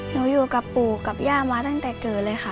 อยู่กับปู่กับย่ามาตั้งแต่เกิดเลยค่ะ